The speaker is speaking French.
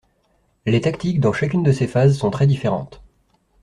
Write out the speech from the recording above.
Les tactiques dans chacune de ces phases sont très différentes.